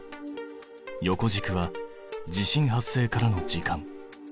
横軸は地震発生からの時間。